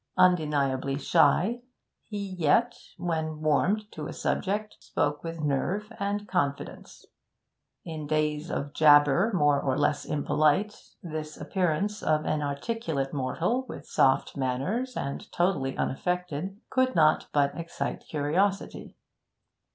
Undeniably shy, he yet, when warmed to a subject, spoke with nerve and confidence. In days of jabber, more or less impolite, this appearance of an articulate mortal, with soft manners and totally unaffected, could not but excite curiosity.